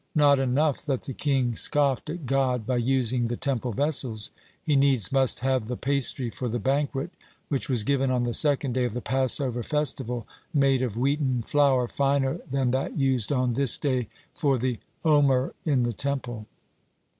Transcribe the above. (3) Not enough that the king scoffed at God by using the Temple vessels, he needs must have the pastry for the banquet, which was given on the second day of the Passover festival, made of wheaten flour finer than that used on this day for the `Omer in the Temple.